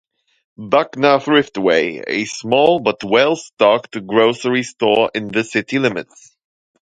Buckner Thriftway a small, but well stocked, grocery store in the city limits.